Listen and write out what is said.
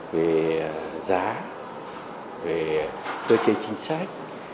về giá về cơ chế chính sách